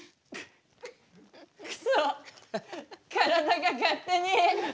くそ体が勝手に。